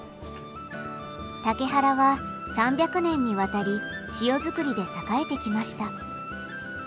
竹原は３００年にわたり塩作りで栄えてきました。